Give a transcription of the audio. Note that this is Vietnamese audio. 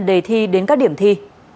đề thi đến các điểm thi